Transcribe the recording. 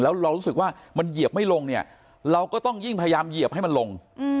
แล้วเรารู้สึกว่ามันเหยียบไม่ลงเนี่ยเราก็ต้องยิ่งพยายามเหยียบให้มันลง